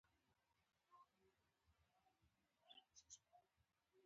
هغه له جیهلم څخه تېرېدلای نه شوای.